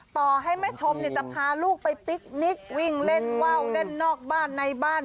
ต่อให้แม่ชมจะพาลูกไปปิ๊กนิกวิ่งเล่นว่าวเล่นนอกบ้านในบ้าน